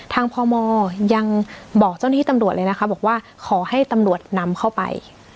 พมยังบอกเจ้าหน้าที่ตำรวจเลยนะคะบอกว่าขอให้ตำรวจนำเข้าไป